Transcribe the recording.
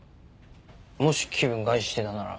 もし気分害してたなら。